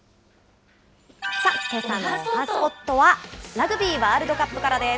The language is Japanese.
けさのおはＳＰＯＴは、ラグビーワールドカップからです。